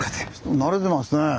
なれてますねえ。